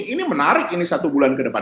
ini menarik ini satu bulan ke depan